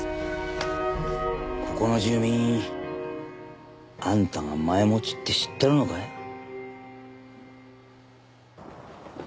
ここの住民あんたがマエ持ちって知ってるのかい？